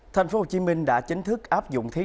thành phố hồ chí minh đã chính thức áp dụng thiết